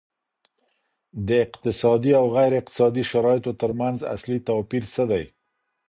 د اقتصادي او غیر اقتصادي شرایطو ترمنځ اصلي توپیر څه دی؟